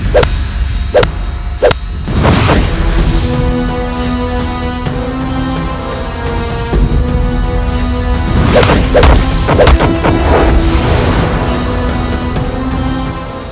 juru setegah fuspa